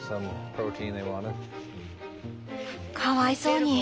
かわいそうに。